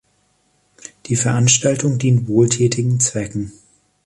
Die Veranstaltung dient wohltätigen Zwecken.